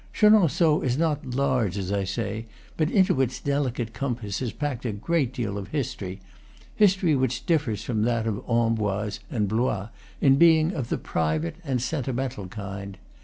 Chenonceaux is not large, as I say, but into its delicate compass is packed a great deal of history, history which differs from that of Amboise and Blois in being of the private and sen timental kind.